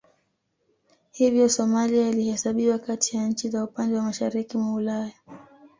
Hivyo Somalia ilihesabiwa kati ya nchi za upande wa mashariki mwa Ulaya